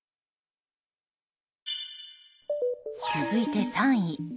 続いて３位。